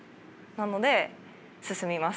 なので進みます。